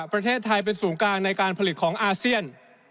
ประเทศไทยเป็นศูนย์กลางในการผลิตของอาเซียน